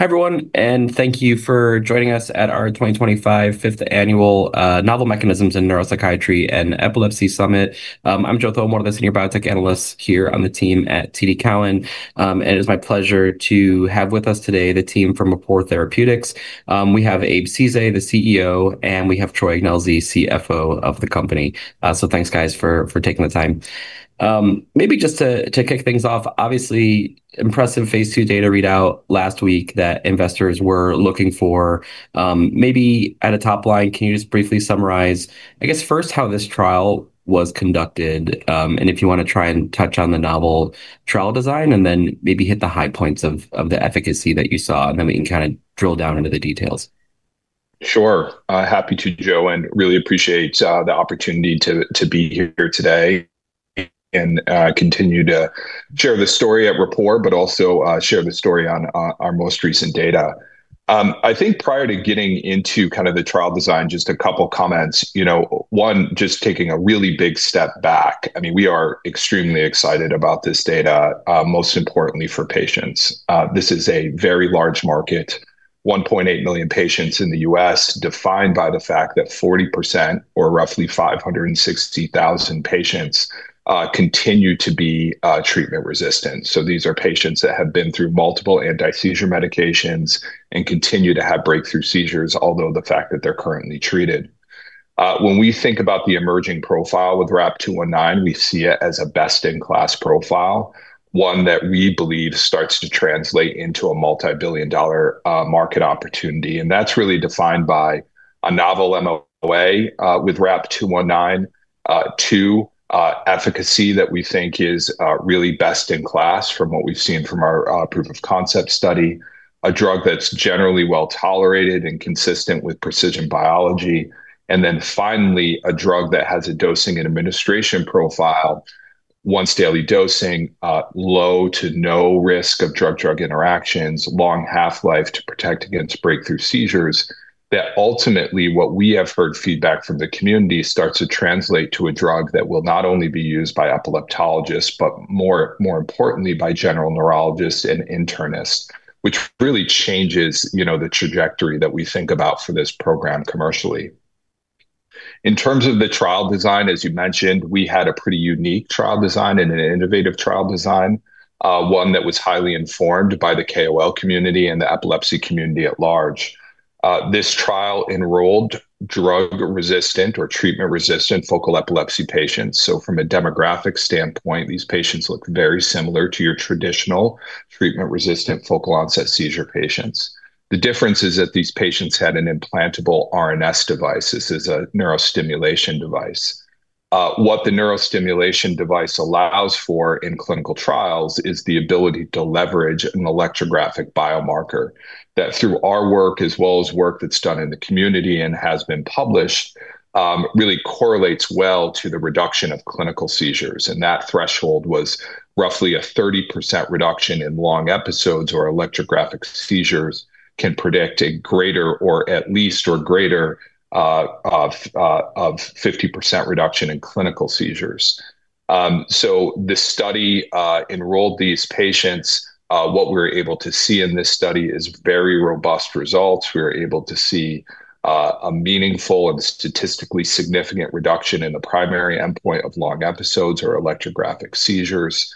Hi everyone, and thank you for joining us at our 2025 fifth annual Novel Mechanisms in Neuropsychiatry and Epilepsy Summit. I'm Joe Thomore, the Senior Biotech Analyst here on the team at TD Cowen, and it is my pleasure to have with us today the team from Rapport Therapeutics. We have Abraham Ceesay, the CEO, and we have Troy Ignelzi, CFO of the company. Thank you, guys, for taking the time. Maybe just to kick things off, obviously impressive Phase 2 data readout last week that investors were looking for. Maybe at a top line, can you just briefly summarize, I guess first, how this trial was conducted and if you want to try and touch on the novel trial design and then maybe hit the high points of the efficacy that you saw, and then we can kind of drill down into the details. Sure, happy to, Joe, and really appreciate the opportunity to be here today and continue to share the story at Rapport, but also share the story on our most recent data. I think prior to getting into kind of the trial design, just a couple of comments. One, just taking a really big step back, and we are extremely excited about this data, most importantly for patients. This is a very large market, 1.8 million patients in the U.S., defined by the fact that 40% or roughly 560,000 patients continue to be treatment-resistant. These are patients that have been through multiple anti-seizure medications and continue to have breakthrough seizures, although the fact that they're currently treated. When we think about the emerging profile with RAP-219, we see it as a best-in-class profile, one that we believe starts to translate into a multi-billion dollar market opportunity. That's really defined by a novel MLOA with RAP-219, two, efficacy that we think is really best in class from what we've seen from our proof of concept study, a drug that's generally well tolerated and consistent with precision biology, and then finally a drug that has a dosing and administration profile, once-daily dosing, low to no risk of drug-drug interactions, long half-life to protect against breakthrough seizures. Ultimately, what we have heard feedback from the community, starts to translate to a drug that will not only be used by epileptologists, but more importantly by general neurologists and internists, which really changes the trajectory that we think about for this program commercially. In terms of the trial design, as you mentioned, we had a pretty unique trial design and an innovative trial design, one that was highly informed by the KOL community and the epilepsy community at large. This trial enrolled drug-resistant or treatment-resistant focal epilepsy patients. From a demographic standpoint, these patients look very similar to your traditional treatment-resistant focal onset seizure patients. The difference is that these patients had an implantable RNS neurostimulation device. This is a neurostimulation device. What the neurostimulation device allows for in clinical trials is the ability to leverage an electrographic biomarker that, through our work as well as work that's done in the community and has been published, really correlates well to the reduction of clinical seizures. That threshold was roughly a 30% reduction in long episodes, or electrographic seizures can predict a greater or at least greater of 50% reduction in clinical seizures. The study enrolled these patients. What we were able to see in this study is very robust results. We were able to see a meaningful and statistically significant reduction in the primary endpoint of long episodes or electrographic seizures.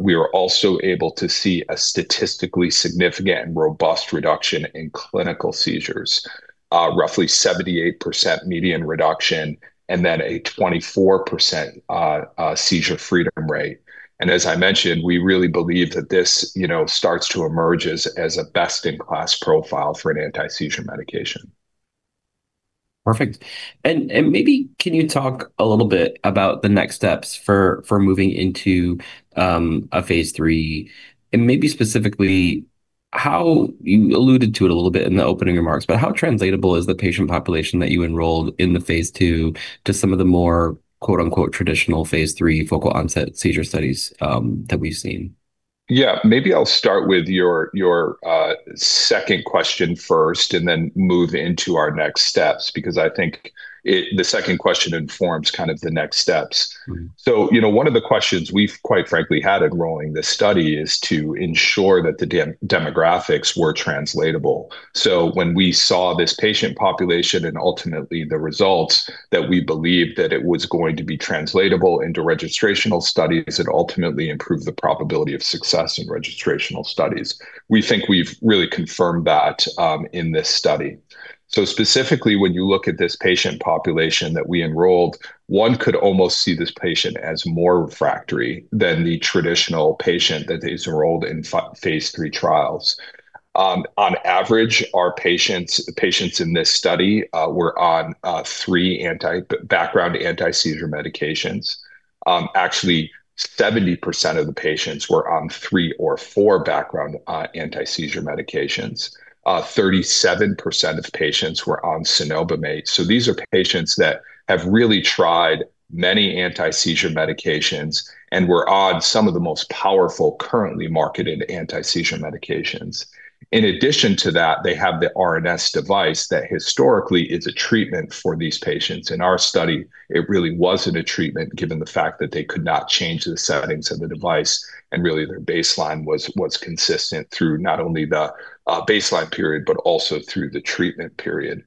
We were also able to see a statistically significant and robust reduction in clinical seizures, roughly 78% median reduction, and then a 24% seizure freedom rate. As I mentioned, we really believe that this starts to emerge as a best-in-class profile for an anti-seizure medication. Perfect. Maybe can you talk a little bit about the next steps for moving into a Phase 3 and specifically how you alluded to it a little bit in the opening remarks, but how translatable is the patient population that you enrolled in the Phase 2 to some of the more quote unquote traditional Phase 3 focal onset seizure studies that we've seen? Yeah, maybe I'll start with your second question first and then move into our next steps, because I think the second question informs kind of the next steps. One of the questions we've quite frankly had enrolling this study is to ensure that the demographics were translatable. When we saw this patient population and ultimately the results, we believed that it was going to be translatable into registrational studies. It ultimately improved the probability of success in registrational studies. We think we've really confirmed that in this study. Specifically, when you look at this patient population that we enrolled, one could almost see this patient as more refractory than the traditional patient that is enrolled in Phase 3 trials. On average, our patients in this study were on three background anti-seizure medications. Actually, 70% of the patients were on three or four background anti-seizure medications. 37% of patients were on cenobamate. These are patients that have really tried many anti-seizure medications and were on some of the most powerful currently marketed anti-seizure medications. In addition to that, they have the RNS device that historically is a treatment for these patients. In our study, it really wasn't a treatment given the fact that they could not change the settings of the device and really their baseline was consistent through not only the baseline period but also through the treatment period.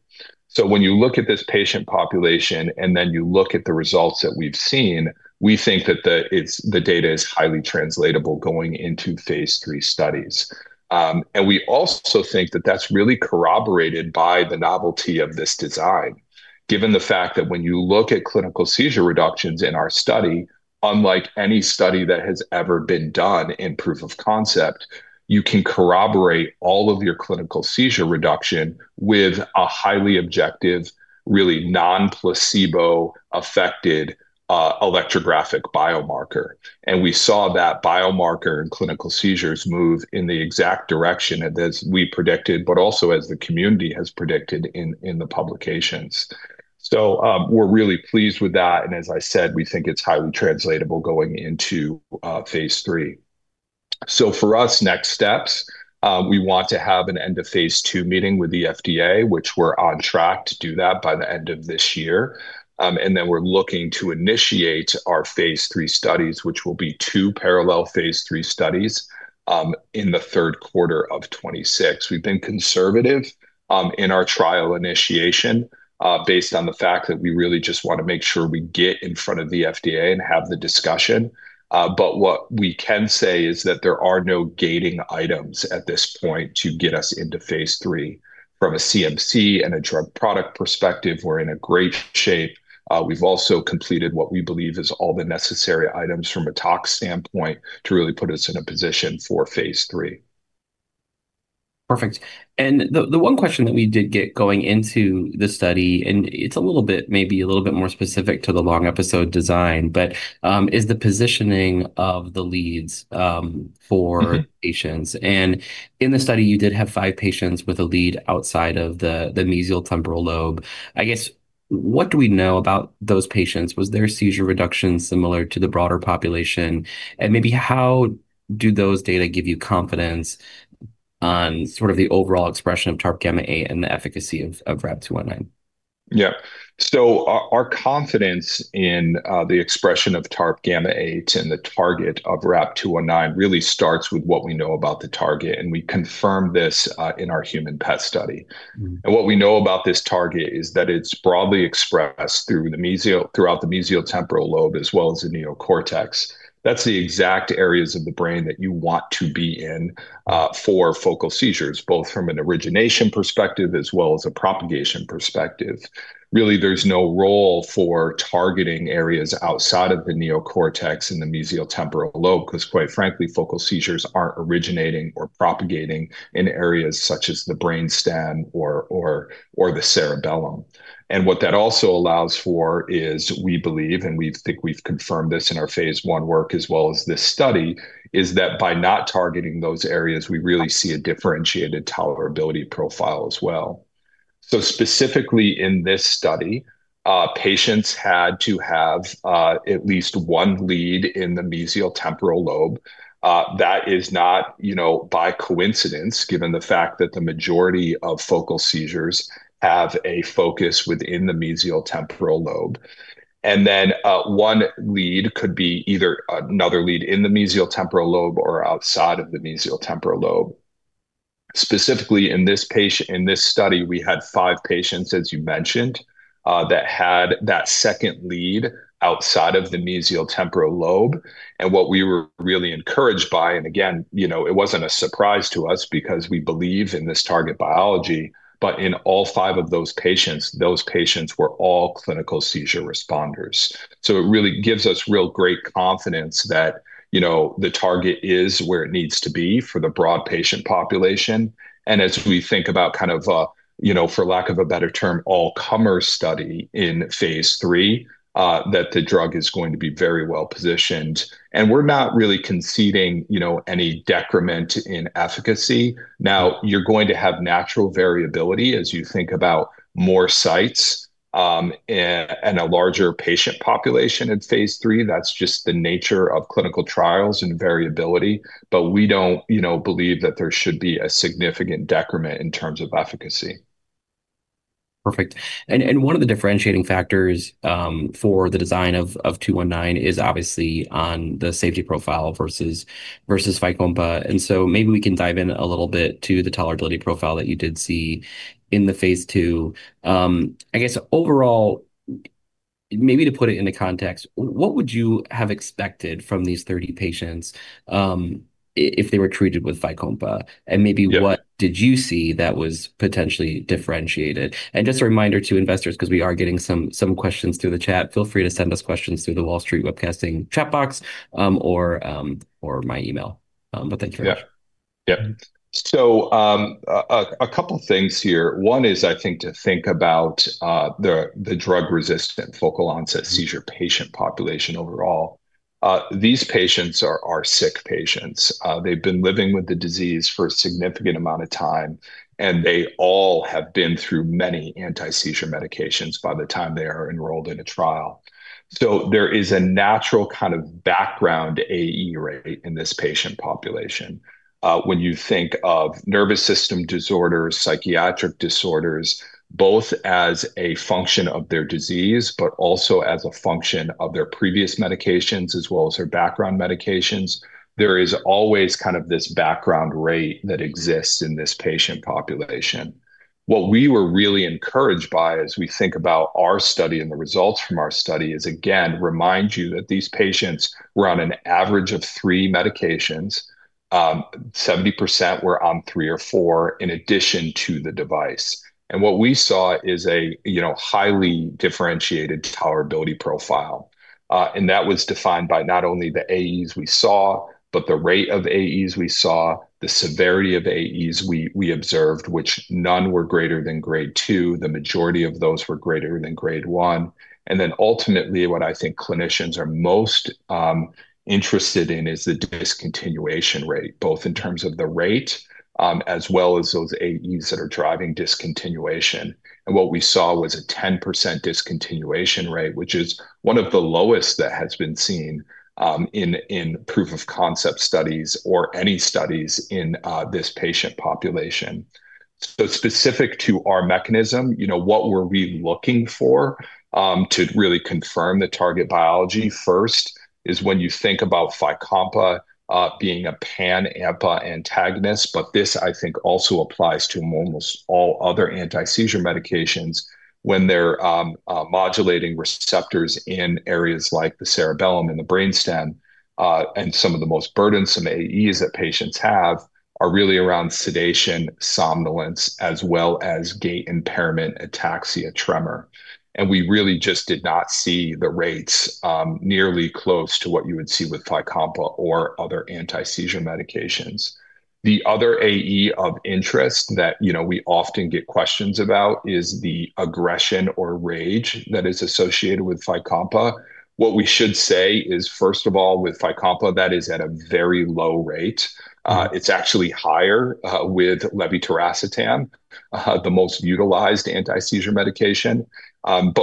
When you look at this patient population and then you look at the results that we've seen, we think that the data is highly translatable going into Phase 3 studies. We also think that that's really corroborated by the novelty of this design, given the fact that when you look at clinical seizure reductions in our study, unlike any study that has ever been done in proof of concept, you can corroborate all of your clinical seizure reduction with a highly objective, really non-placebo affected electrographic biomarker. We saw that biomarker and clinical seizures move in the exact direction that we predicted, but also as the community has predicted in the publications. We're really pleased with that. As I said, we think it's highly translatable going into Phase 3. For us, next steps, we want to have an end of Phase 2 meeting with the FDA, which we're on track to do that by the end of this year. We are looking to initiate our Phase 3 studies, which will be two parallel Phase 3 studies in the third quarter of 2026. We have been conservative in our trial initiation based on the fact that we really just want to make sure we get in front of the FDA and have the discussion. What we can say is that there are no gating items at this point to get us into Phase 3. From a CMC and a drug product perspective, we're in great shape. We have also completed what we believe is all the necessary items from a tox standpoint to really put us in a position for Phase 3. Perfect. The one question that we did get going into the study, and it's a little bit, maybe a little bit more specific to the long episode design, is the positioning of the leads for patients. In the study, you did have five patients with a lead outside of the mesial temporal lobe. I guess, what do we know about those patients? Was their seizure reduction similar to the broader population? How do those data give you confidence on sort of the overall expression of TARP gamma 8 and the efficacy of RAP-219? Yeah, so our confidence in the expression of TARP gamma 8 and the target of RAP-219 really starts with what we know about the target, and we confirmed this in our human PET study. What we know about this target is that it's broadly expressed throughout the mesial temporal lobe as well as the neocortex. That's the exact areas of the brain that you want to be in for focal seizures, both from an origination perspective as well as a propagation perspective. There's no role for targeting areas outside of the neocortex in the mesial temporal lobe, because quite frankly, focal seizures aren't originating or propagating in areas such as the brainstem or the cerebellum. What that also allows for is, we believe, and we think we've confirmed this in our Phase 1 work as well as this study, is that by not targeting those areas, we really see a differentiated tolerability profile as well. Specifically in this study, patients had to have at least one lead in the mesial temporal lobe. That is not, you know, by coincidence, given the fact that the majority of focal seizures have a focus within the mesial temporal lobe. One lead could be either another lead in the mesial temporal lobe or outside of the mesial temporal lobe. Specifically in this study, we had five patients, as you mentioned, that had that second lead outside of the mesial temporal lobe. What we were really encouraged by, and again, it wasn't a surprise to us because we believe in this target biology, but in all five of those patients, those patients were all clinical seizure responders. It really gives us real great confidence that, you know, the target is where it needs to be for the broad patient population. As we think about kind of, you know, for lack of a better term, all-comer study in Phase 3, the drug is going to be very well positioned. We're not really conceding, you know, any decrement in efficacy. Now, you're going to have natural variability as you think about more sites and a larger patient population in Phase 3. That's just the nature of clinical trials and variability. We don't, you know, believe that there should be a significant decrement in terms of efficacy. Perfect. One of the differentiating factors for the design of 219 is obviously on the safety profile versus Fycompa. Maybe we can dive in a little bit to the tolerability profile that you did see in the Phase 2. I guess overall, maybe to put it into context, what would you have expected from these 30 patients if they were treated with Fycompa? What did you see that was potentially differentiated? Just a reminder to investors, because we are getting some questions through the chat, feel free to send us questions through the Wall Street Webcasting chat box or my email. Thank you very much. Yeah, yeah. A couple of things here. One is, I think, to think about the drug-resistant focal onset seizure patient population overall. These patients are sick patients. They've been living with the disease for a significant amount of time, and they all have been through many anti-seizure medications by the time they are enrolled in a trial. There is a natural kind of background AE rate in this patient population. When you think of nervous system disorders, psychiatric disorders, both as a function of their disease, but also as a function of their previous medications as well as their background medications, there is always kind of this background rate that exists in this patient population. What we were really encouraged by as we think about our study and the results from our study is, again, remind you that these patients were on an average of three medications. 70% were on three or four in addition to the device. What we saw is a highly differentiated tolerability profile. That was defined by not only the AEs we saw, but the rate of AEs we saw, the severity of AEs we observed, which none were greater than grade two. The majority of those were greater than grade one. Ultimately, what I think clinicians are most interested in is the discontinuation rate, both in terms of the rate as well as those AEs that are driving discontinuation. What we saw was a 10% discontinuation rate, which is one of the lowest that has been seen in proof of concept studies or any studies in this patient population. Specific to our mechanism, what we're really looking for to really confirm the target biology first is when you think about Fycompa being a pan-AMPA antagonist. I think this also applies to almost all other anti-seizure medications when they're modulating receptors in areas like the cerebellum and the brainstem. Some of the most burdensome AEs that patients have are really around sedation, somnolence, as well as gait impairment, ataxia, tremor. We really just did not see the rates nearly close to what you would see with Fycompa or other anti-seizure medications. The other AE of interest that we often get questions about is the aggression or rage that is associated with Fycompa. What we should say is, first of all, with Fycompa, that is at a very low rate. It's actually higher with levetiracetam, the most utilized anti-seizure medication.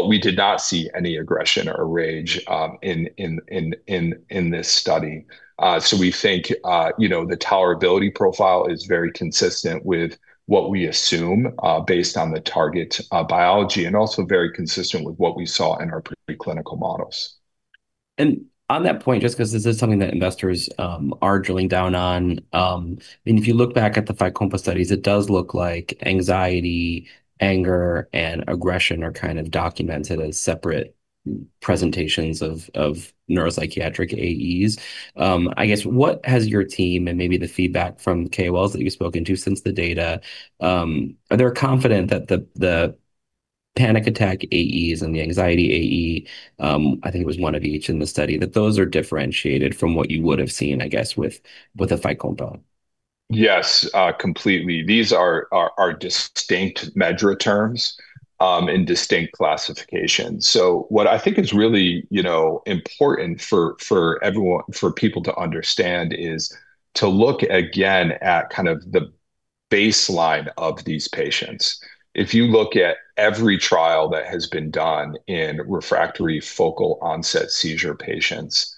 We did not see any aggression or rage in this study. We think the tolerability profile is very consistent with what we assume based on the target biology and also very consistent with what we saw in our preclinical models. On that point, just because this is something that investors are drilling down on, if you look back at the Fycompa studies, it does look like anxiety, anger, and aggression are kind of documented as separate presentations of neuropsychiatric AEs. I guess, what has your team and maybe the feedback from KOLs that you've spoken to since the data? They're confident that the panic attack AEs and the anxiety AE, I think it was one of each in the study, that those are differentiated from what you would have seen with a Fycompa. Yes, completely. These are distinct measure terms and distinct classifications. What I think is really important for everyone, for people to understand is to look again at kind of the baseline of these patients. If you look at every trial that has been done in refractory focal onset seizure patients,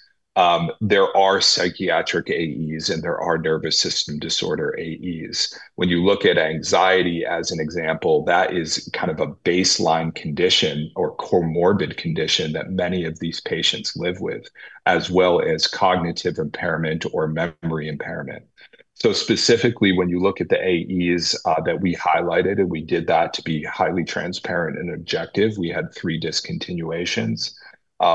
there are psychiatric AEs and there are nervous system disorder AEs. When you look at anxiety as an example, that is kind of a baseline condition or core morbid condition that many of these patients live with, as well as cognitive impairment or memory impairment. Specifically, when you look at the AEs that we highlighted, and we did that to be highly transparent and objective, we had three discontinuations.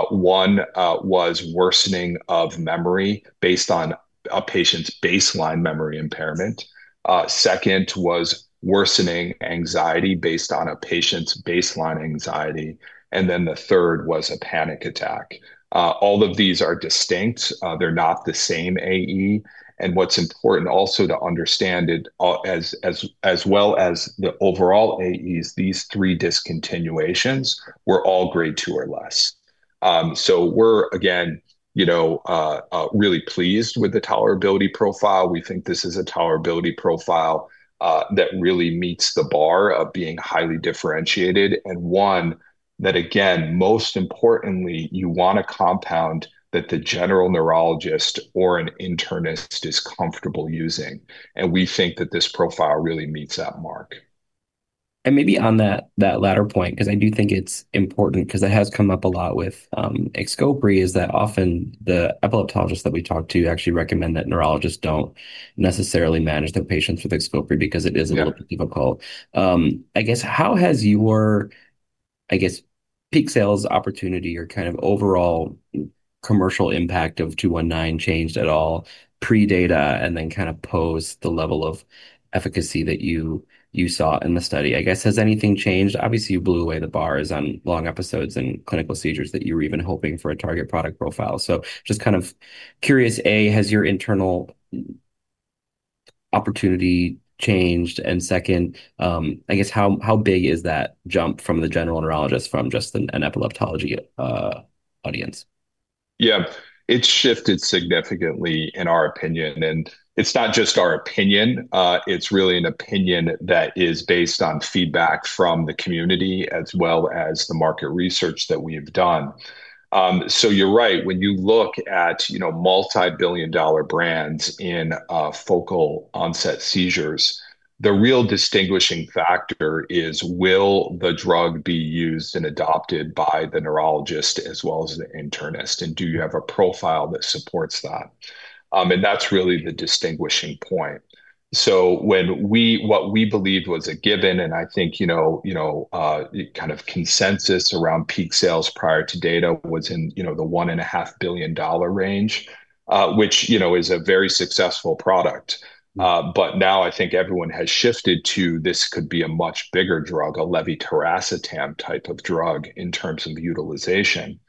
One was worsening of memory based on a patient's baseline memory impairment. The second was worsening anxiety based on a patient's baseline anxiety. The third was a panic attack. All of these are distinct. They're not the same AE. What's important also to understand is, as well as the overall AEs, these three discontinuations were all grade two or less. We're, again, really pleased with the tolerability profile. We think this is a tolerability profile that really meets the bar of being highly differentiated and one that, most importantly, you want a compound that the general neurologist or an internist is comfortable using. We think that this profile really meets that mark. Maybe on that latter point, because I do think it's important, because it has come up a lot with Xcopri, is that often the epileptologists that we talk to actually recommend that neurologists don't necessarily manage their patients with Xcopri because it is a little bit difficult. I guess, how has your, I guess, peak sales opportunity or kind of overall commercial impact of 219 changed at all pre-data and then kind of post the level of efficacy that you saw in the study? Has anything changed? Obviously, you blew away the bars on long episodes and clinical seizures that you were even hoping for a target product profile. Just kind of curious, A, has your internal opportunity changed? Second, how big is that jump from the general neurologist from just an epileptology audience? Yeah, it's shifted significantly in our opinion. It's not just our opinion. It's really an opinion that is based on feedback from the community as well as the market research that we've done. You're right. When you look at multi-billion dollar brands in focal onset seizures, the real distinguishing factor is will the drug be used and adopted by the neurologist as well as the internist, and do you have a profile that supports that. That's really the distinguishing point. What we believed was a given, and I think kind of consensus around peak sales prior to data was in the $1.5 billion range, which is a very successful product. Now I think everyone has shifted to this could be a much bigger drug, a levetiracetam type of drug in terms of utilization.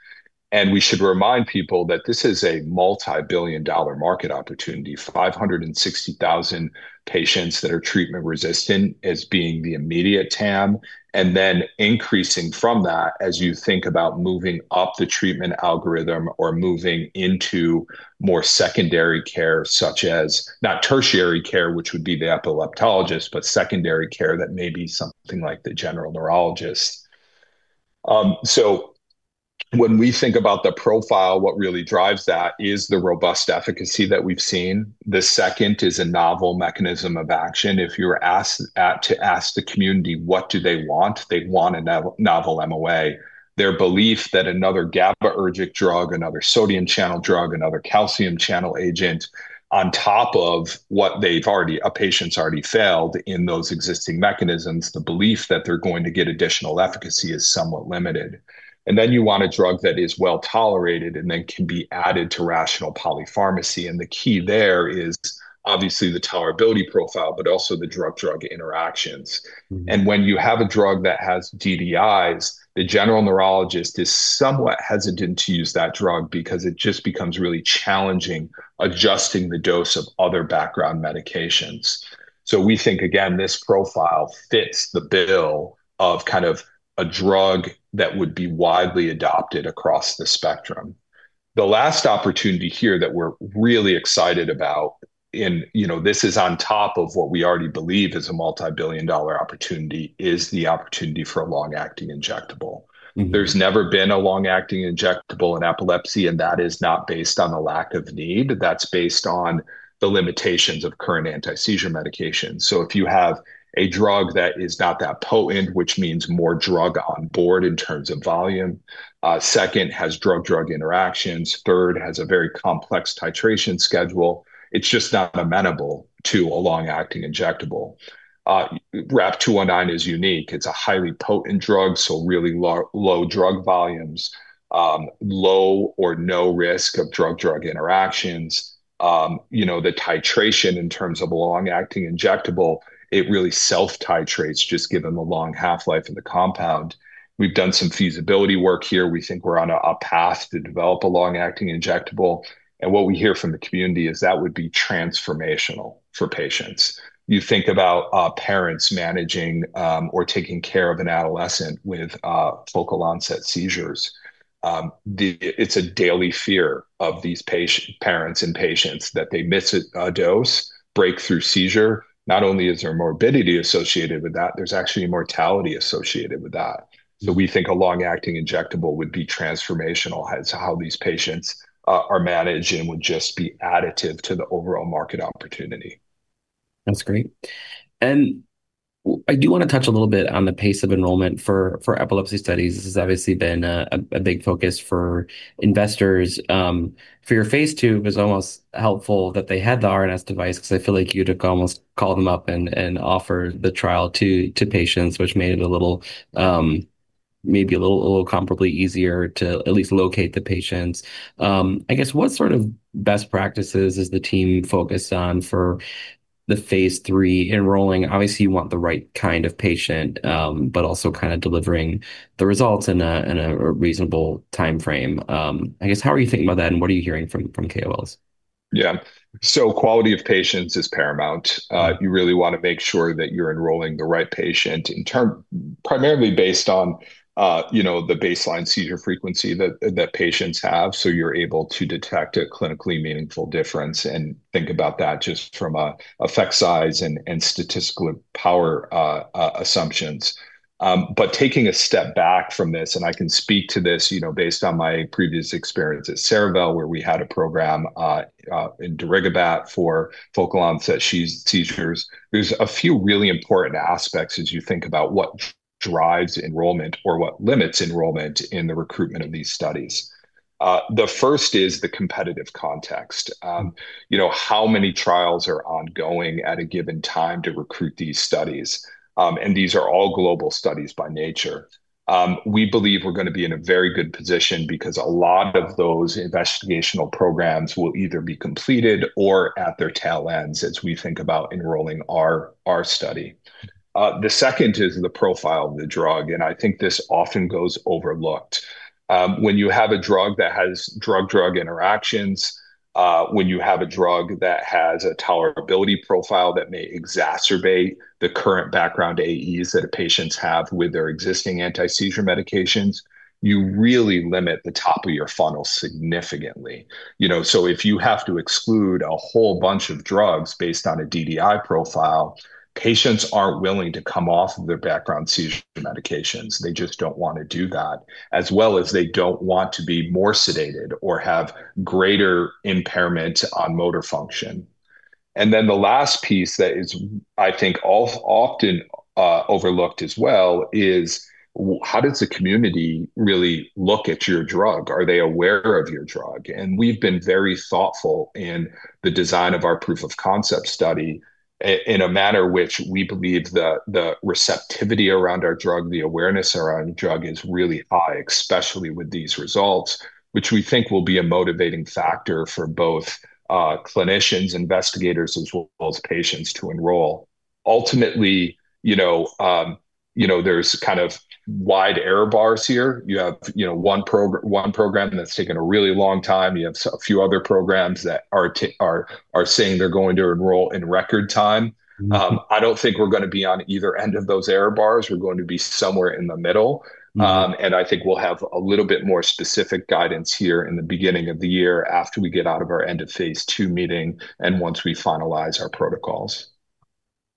We should remind people that this is a multi-billion dollar market opportunity, 560,000 patients that are treatment resistant as being the immediate TAM, and then increasing from that as you think about moving up the treatment algorithm or moving into more secondary care, such as not tertiary care, which would be the epileptologist, but secondary care that may be something like the general neurologist. When we think about the profile, what really drives that is the robust efficacy that we've seen. The second is a novel mechanism of action. If you were to ask the community what do they want, they want a novel MOA. Their belief that another GABAergic drug, another sodium channel drug, another calcium channel agent, on top of what a patient's already failed in those existing mechanisms, the belief that they're going to get additional efficacy is somewhat limited. You want a drug that is well tolerated and can be added to rational polypharmacy. The key there is obviously the tolerability profile, but also the drug-drug interactions. When you have a drug that has DDIs, the general neurologist is somewhat hesitant to use that drug because it just becomes really challenging adjusting the dose of other background medications. We think this profile fits the bill of a drug that would be widely adopted across the spectrum. The last opportunity here that we're really excited about, and this is on top of what we already believe is a multi-billion dollar opportunity, is the opportunity for a long-acting injectable. There's never been a long-acting injectable in epilepsy, and that is not based on a lack of need. That's based on the limitations of current anti-seizure medications. If you have a drug that is not that potent, which means more drug on board in terms of volume, second has drug-drug interactions, third has a very complex titration schedule, it's just not amenable to a long-acting injectable. RAP-219 is unique. It's a highly potent drug, so really low drug volumes, low or no risk of drug-drug interactions. The titration in terms of a long-acting injectable, it really self-titrates just given the long half-life of the compound. We've done some feasibility work here. We think we're on a path to develop a long-acting injectable. What we hear from the community is that would be transformational for patients. You think about parents managing or taking care of an adolescent with focal onset seizures. It's a daily fear of these parents and patients that they miss a dose, breakthrough seizure. Not only is there morbidity associated with that, there's actually mortality associated with that. We think a long-acting injectable would be transformational as how these patients are managed and would just be additive to the overall market opportunity. That's great. I do want to touch a little bit on the pace of enrollment for epilepsy studies. This has obviously been a big focus for investors. For your Phase 2, it was almost helpful that they had the implantable RNS neurostimulation devices because I feel like you could almost call them up and offer the trial to patients, which made it maybe a little comparably easier to at least locate the patients. I guess, what sort of best practices is the team focused on for the Phase 3 enrolling? Obviously, you want the right kind of patient, but also kind of delivering the results in a reasonable time frame. I guess, how are you thinking about that and what are you hearing from KOLs? Yeah, so quality of patients is paramount. You really want to make sure that you're enrolling the right patient, primarily based on the baseline seizure frequency that patients have. You're able to detect a clinically meaningful difference and think about that just from an effect size and statistical power assumptions. Taking a step back from this, I can speak to this based on my previous experience at Ceravelle, where we had a program in Derigabat for focal onset seizures. There are a few really important aspects as you think about what drives enrollment or what limits enrollment in the recruitment of these studies. The first is the competitive context. How many trials are ongoing at a given time to recruit these studies? These are all global studies by nature. We believe we're going to be in a very good position because a lot of those investigational programs will either be completed or at their tail ends as we think about enrolling our study. The second is the profile of the drug, and I think this often goes overlooked. When you have a drug that has drug-drug interactions, when you have a drug that has a tolerability profile that may exacerbate the current background AEs that patients have with their existing anti-seizure medications, you really limit the top of your funnel significantly. If you have to exclude a whole bunch of drugs based on a DDI profile, patients aren't willing to come off of their background seizure medications. They just don't want to do that, as well as they don't want to be more sedated or have greater impairment on motor function. The last piece that is, I think, often overlooked as well is how does the community really look at your drug? Are they aware of your drug? We've been very thoughtful in the design of our proof of concept study in a manner in which we believe the receptivity around our drug, the awareness around the drug is really high, especially with these results, which we think will be a motivating factor for both clinicians, investigators, as well as patients to enroll. Ultimately, there's kind of wide error bars here. You have one program that's taken a really long time. You have a few other programs that are saying they're going to enroll in record time. I don't think we're going to be on either end of those error bars. We're going to be somewhere in the middle. I think we'll have a little bit more specific guidance here in the beginning of the year after we get out of our end of Phase 2 meeting and once we finalize our protocols.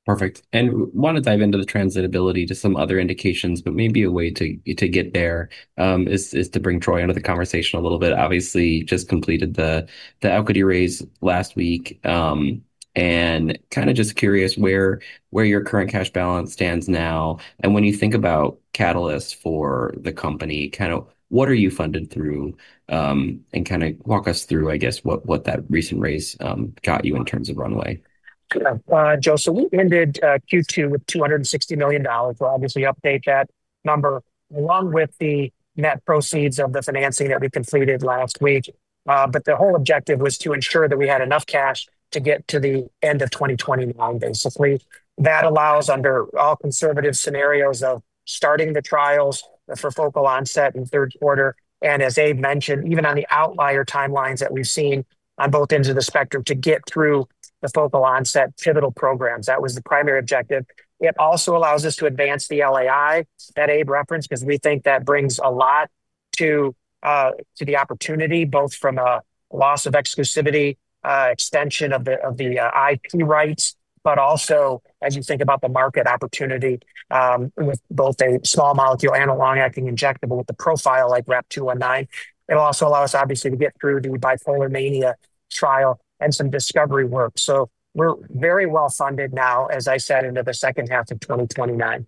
Perfect. I want to dive into the translatability to some other indications, but maybe a way to get there is to bring Troy into the conversation a little bit. Obviously, just completed the equity raise last week and kind of just curious where your current cash balance stands now. When you think about catalysts for the company, kind of what are you funded through and walk us through what that recent raise got you in terms of runway. Yeah, Joe, we ended Q2 with $260 million. We'll obviously update that number along with the net proceeds of the financing that we completed last week. The whole objective was to ensure that we had enough cash to get to the end of 2029, basically. That allows, under all conservative scenarios, starting the trials for focal onset in the third quarter. As Abe mentioned, even on the outlier timelines that we've seen on both ends of the spectrum to get through the focal onset pivotal programs, that was the primary objective. It also allows us to advance the long-acting injectable that Abe referenced because we think that brings a lot to the opportunity, both from a loss of exclusivity, extension of the IP rights, but also as you think about the market opportunity with both a small molecule and a long-acting injectable with a profile like RAP-219. It'll also allow us to get through the bipolar mania trial and some discovery work. We're very well funded now, as I said, into the second half of 2029.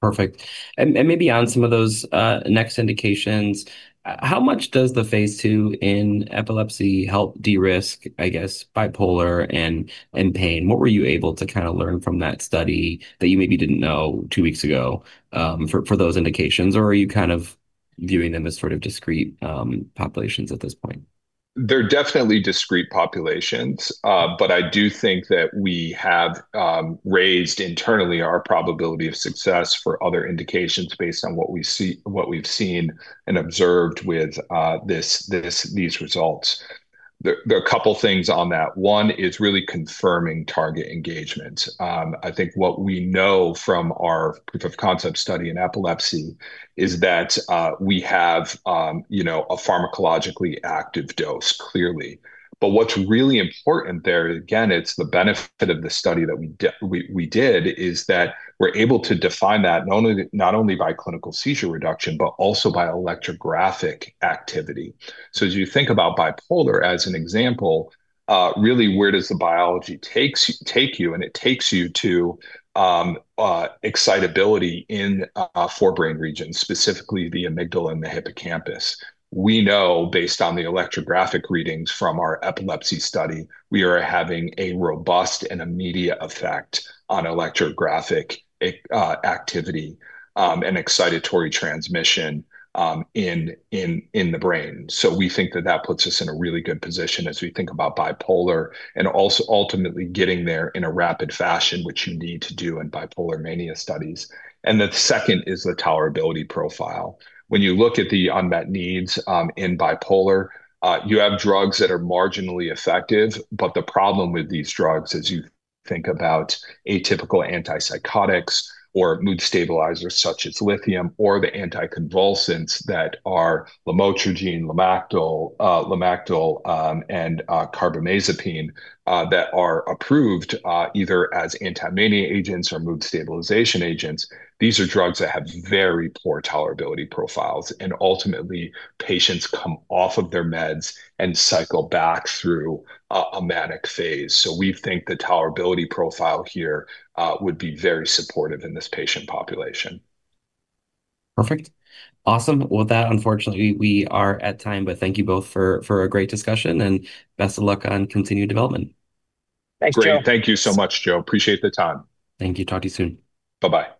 Perfect. Maybe on some of those next indications, how much does the Phase 2 in epilepsy help de-risk, I guess, bipolar and pain? What were you able to kind of learn from that study that you maybe didn't know two weeks ago for those indications, or are you kind of viewing them as sort of discrete populations at this point? They're definitely discrete populations, but I do think that we have raised internally our probability of success for other indications based on what we've seen and observed with these results. There are a couple of things on that. One is really confirming target engagement. I think what we know from our proof of concept study in epilepsy is that we have a pharmacologically active dose clearly. What's really important there, again, it's the benefit of the study that we did, is that we're able to define that not only by clinical seizure reduction, but also by electrographic activity. As you think about bipolar as an example, really where does the biology take you? It takes you to excitability in four brain regions, specifically the amygdala and the hippocampus. We know based on the electrographic readings from our epilepsy study, we are having a robust and immediate effect on electrographic activity and excitatory transmission in the brain. We think that puts us in a really good position as we think about bipolar and also ultimately getting there in a rapid fashion, which you need to do in bipolar mania studies. The second is the tolerability profile. When you look at the unmet needs in bipolar, you have drugs that are marginally effective, but the problem with these drugs is you think about atypical antipsychotics or mood stabilizers such as lithium or the anticonvulsants that are lamotrigine, Lamictal, and carbamazepine that are approved either as anti-mania agents or mood stabilization agents. These are drugs that have very poor tolerability profiles, and ultimately patients come off of their meds and cycle back through a manic phase. We think the tolerability profile here would be very supportive in this patient population. Perfect. Awesome. Unfortunately, we are at time, but thank you both for a great discussion and best of luck on continued development. Thanks, Joe. Great. Thank you so much, Joe. Appreciate the time. Thank you. Talk to you soon. Bye-bye.